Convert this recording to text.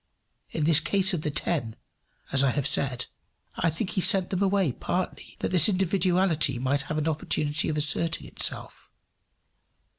In this case of the ten, as I have said, I think he sent them away, partly, that this individuality might have an opportunity of asserting itself.